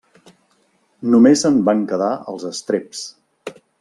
Només en van quedar els estreps.